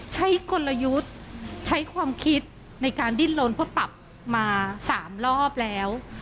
ใช้กลยุทธ์ใช้ความคิดในการดินโรนพบปรับมา๓รอบแล้ว